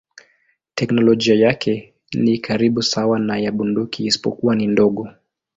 Teknolojia yake ni karibu sawa na ya bunduki isipokuwa ni ndogo.